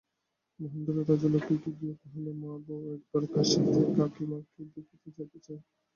মহেন্দ্র রাজলক্ষ্মীকে গিয়া কহিল, মা, বউ একবার কাশীতে কাকীমাকে দেখিতে যাইতে চায়।